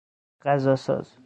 غذاساز